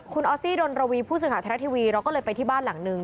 คุณออสซี่ดนระวีผู้สื่อข่าวไทยรัฐทีวีเราก็เลยไปที่บ้านหลังนึง